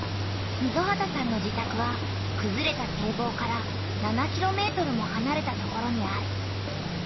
溝端さんの自たくはくずれた堤防から７ｋｍもはなれたところにある。